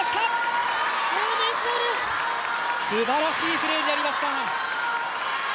すばらしいプレーになりました。